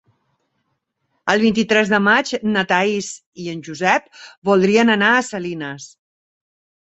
El vint-i-tres de maig na Thaís i en Josep voldrien anar a Salines.